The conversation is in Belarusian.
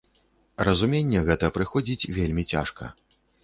Разуменне гэта прыходзіць вельмі цяжка.